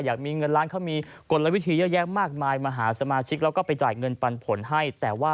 อยากมีเงินล้านเขามีกลวิธีเยอะแยะมากมายมาหาสมาชิกแล้วก็ไปจ่ายเงินปันผลให้แต่ว่า